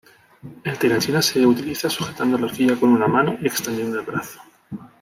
El tirachinas se utiliza sujetando la horquilla con una mano y extendiendo el brazo.